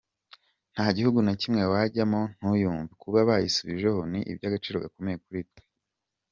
Nta gihugu na kimwe wajyamo ntuyumve, kuba bayisubijeho ni iby’agaciro gakomeye kuri twe.